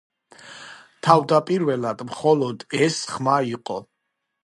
თავდაპირველად მხოლოდ ეს ხმა იყო.